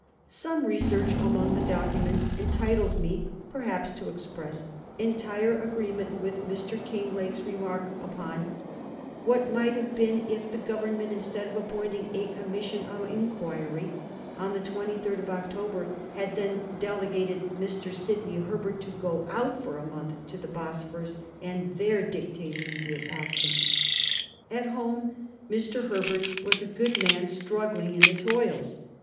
Some research among the documents entitles me, perhaps, to express entire agreement with Mr. Kinglake's remark upon "what might have been if the Government, instead of appointing a Commission of enquiry on the 23rd of October, had then delegated Mr. Sidney Herbert to go out for a month to the Bosphorus, and there dictate immediate action." At home, Mr. Herbert was a good man struggling in the toils.